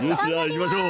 行きましょう。